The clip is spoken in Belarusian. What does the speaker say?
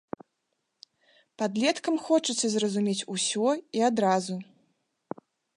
Падлеткам хочацца зразумець усё і адразу.